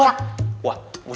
untuk untuk untuk